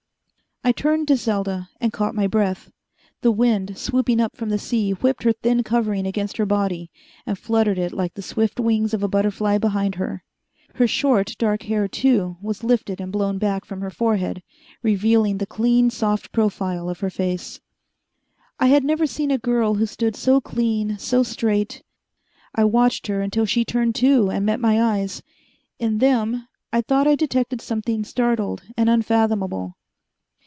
I turned to Selda and caught my breath. The wind, swooping up from the sea, whipped her thin covering against her body and fluttered it like the swift wings of a butterfly behind her. Her short, dark hair, too, was lifted and blown back from her forehead, revealing the clean, soft profile of her face. I had never seen a girl who stood so clean, so straight. I watched her until she turned, too, and met my eyes. In them I thought I detected something startled and unfathomable.